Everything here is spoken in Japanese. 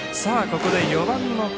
ここで４番の上。